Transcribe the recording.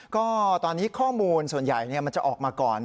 ก็ตอนนี้ข้อมูลส่วนใหญ่มันจะออกมาก่อน